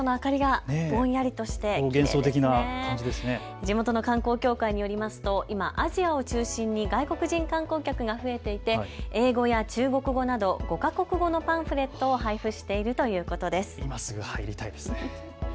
地元の観光協会によりますと今、アジアを中心に外国人観光客が増えていて英語や中国語など５か国語のパンフレットを配布しているということです。